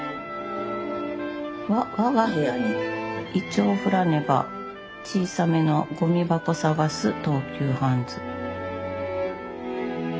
「我が部屋に銀杏降らねば小さめのゴミ箱探す東急ハンズ」。